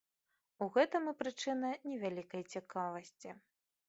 У гэтым і прычына не вялікай цікавасці.